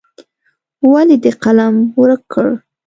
ولې دې قلم ورک کړ.